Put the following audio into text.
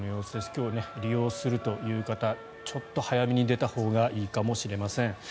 今日、利用するという方ちょっと早めに出たほうがいいかもしれません。